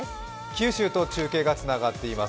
九州と中継がつながっています。